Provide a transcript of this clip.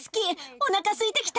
おなかすいてきた。